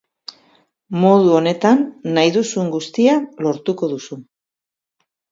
Modu honetan nahi duzun guztia lortuko duzu.